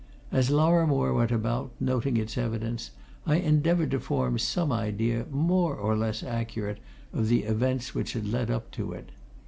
As Lorrimore went about, noting its evidences, I endeavoured to form some idea, more or less accurate, of the events which had led up to it.